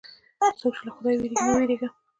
څوک چې له خدایه وېرېږي، مه وېرېږه.